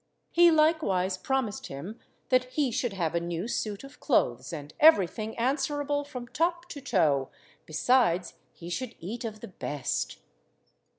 He likewise promised him that he should have a new suit of clothes and everything answerable from top to toe, besides he should eat of the best.